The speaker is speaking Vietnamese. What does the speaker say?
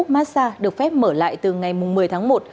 massag được phép mở lại từ ngày một mươi tháng một